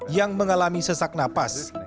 yang mengalami sesak napas